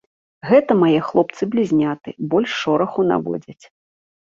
Гэта мае хлопцы-блізняты больш шораху наводзяць.